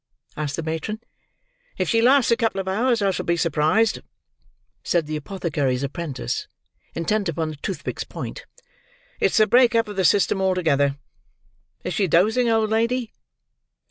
asked the matron. "If she lasts a couple of hours, I shall be surprised," said the apothecary's apprentice, intent upon the toothpick's point. "It's a break up of the system altogether. Is she dozing, old lady?"